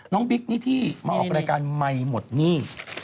น้องบิ๊กนี่ที่มาออกรายการไม่หมดหนี้